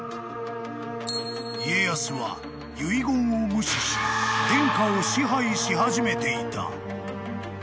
［家康は遺言を無視し天下を支配し始めていた］